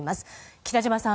北島さん